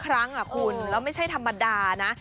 ครั้งคุณแล้วไม่ใช่ธรรมดานะ